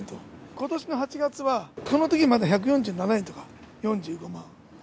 ことしの８月は、このとき、まだ１４７円とか、４５万。